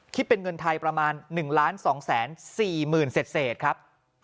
คิดเป็นเงินไทยประมาณ๑๒๔๐๐๐เศษครับ